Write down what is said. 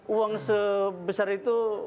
uang sebesar itu